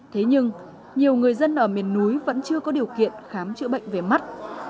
thế nhưng nhiều người dân ở miền núi vẫn chưa có điều kiện khám chữa bệnh về mắt